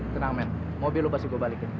tenang men mobil lu pasti gua balikin